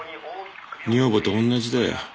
女房と同じだよ。